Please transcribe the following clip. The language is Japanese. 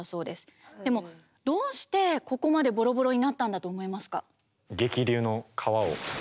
でもどうしてここまでボロボロになったんだと思いますか？